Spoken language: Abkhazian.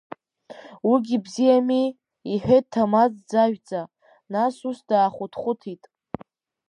Уигьы бзиами, — иҳәеит Ҭамаз дзажәӡа, нас ус даахәыҭхәыҭит…